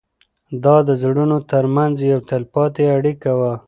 دا د زړونو تر منځ یوه تلپاتې اړیکه وه.